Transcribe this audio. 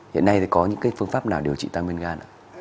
hiện nay thì có những phương pháp nào điều trị tăng men gan